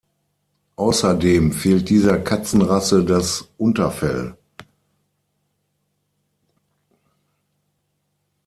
Außerdem fehlt dieser Katzenrasse das Unterfell.